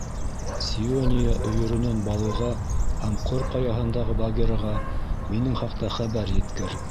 — Сиония өйөрөнән Балуға һәм Ҡор Ҡаяһындағы Багираға минең хаҡта хәбәр еткер!